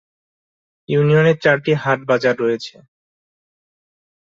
ইউনিয়নে চারটি হাট-বাজার রয়েছে।